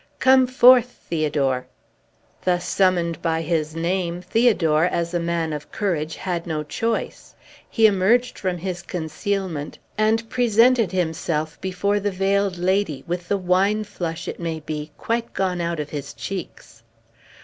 "Come forth, Theodore!" Thus summoned by his name, Theodore, as a man of courage, had no choice. He emerged from his concealment, and presented himself before the Veiled Lady, with the wine flush, it may be, quite gone out of his cheeks.